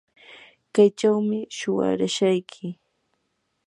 kaychawmi shuwarashayki.